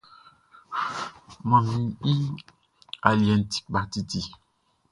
Manmi i aliɛʼn ti kpa titi.